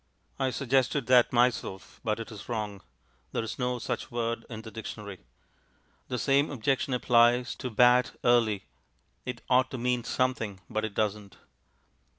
I suggested that myself, but it is wrong. There is no such word in the dictionary. The same objection applies to "bat early" it ought to mean something, but it doesn't.